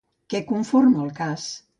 Què conforma el cas?